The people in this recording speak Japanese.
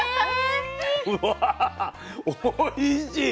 うわおいしい。